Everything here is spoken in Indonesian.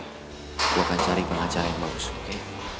aku akan cari pengacara yang bagus oke